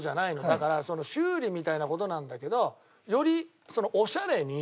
だから修理みたいな事なんだけどよりオシャレに。